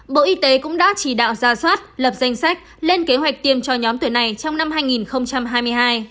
bộ y tế cũng đã chỉ đạo ra soát lập danh sách lên kế hoạch tiêm cho nhóm tuổi này trong năm hai nghìn hai mươi hai